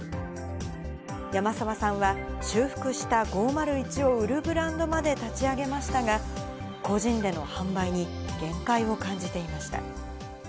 山澤さんは、修復した５０１を売るブランドまで立ち上げましたが、個人での販売に限界を感じていました。